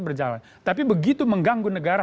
berjalan tapi begitu mengganggu negara